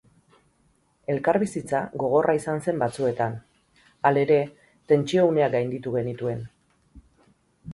Elkarbizitza gogorra izan zen batzuetan, halere, tentsio uneak gainditu genituen.